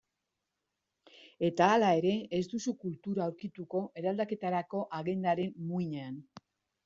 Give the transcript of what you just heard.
Eta hala ere, ez duzu kultura aurkituko eraldaketarako agendaren muinean.